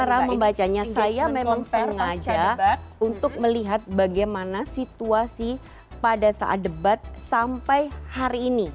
cara membacanya saya memang sengaja untuk melihat bagaimana situasi pada saat debat sampai hari ini